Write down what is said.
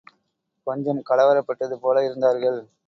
கொஞ்சம் கலவரப்பட்டதுபோல இருந்தார்கள்.